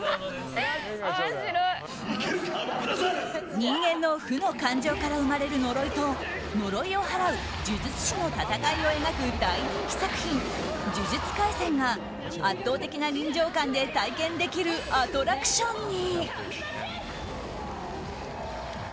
人間の負の感情から生まれる呪いと呪いをはらう呪術師の戦いを描く大人気作品「呪術廻戦」が圧倒的な臨場感で体験できるアトラクションに。